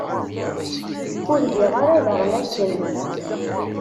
Ur giɣ ara daɣen akken.